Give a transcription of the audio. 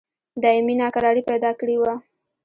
دایمي ناکراري پیدا کړې وه.